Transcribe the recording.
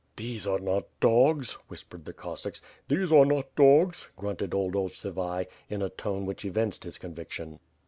"These are not dogs,'' whispered the Cossacks. "These are not dogs,'' grunted old Ovsivuy, in a tone which evinced his conviction.